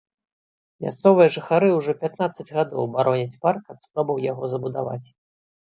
Мясцовыя жыхары ўжо пятнаццаць гадоў бароняць парк ад спробаў яго забудаваць.